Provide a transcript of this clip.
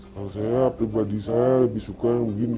kalau saya pribadi saya lebih suka begini